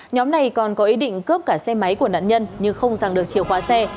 nhóm này còn có ý định cướp cả xe máy của nạn nhân nhưng không rằng được chìa khóa xe